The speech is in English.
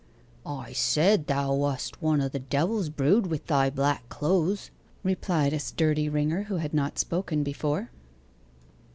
'I said thou wast one o' the devil's brood wi' thy black clothes,' replied a sturdy ringer, who had not spoken before.